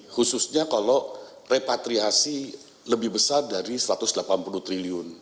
khususnya kalau repatriasi lebih besar dari rp satu ratus delapan puluh triliun